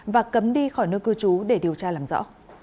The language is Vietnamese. và cấm đi khỏi nơi cư trú để điều tra làm rõ